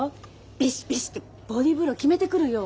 ビシッビシッてボディーブロー決めてくるよ。